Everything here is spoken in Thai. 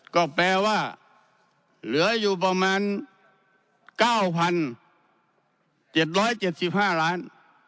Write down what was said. ก็แปลว่าเหลืออยู่ประมาณ๙๗๗๕ล้าน